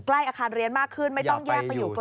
อาคารเรียนมากขึ้นไม่ต้องแยกไปอยู่ใกล้